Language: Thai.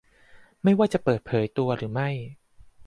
ไม่ว่าจะเผยตัวหรือไม่